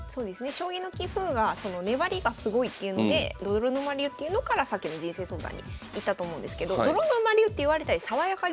将棋の棋風が粘りがすごいっていうので泥沼流っていうのからさっきの人生相談にいったと思うんですけど泥沼流っていわれたり爽やか流っていわれてたりしたんですよ。